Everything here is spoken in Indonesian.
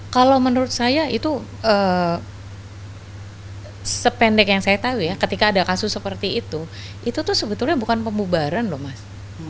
kalau menurut saya itu sependek yang saya tahu ya ketika ada kasus seperti itu itu sebetulnya bukan pembubaran loh mas